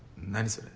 それ。